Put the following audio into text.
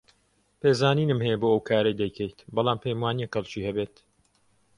پێزانینم هەیە بۆ ئەو کارەی دەیکەیت، بەڵام پێم وانییە کەڵکی هەبێت.